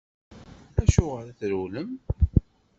Acuɣeṛ i trewlem?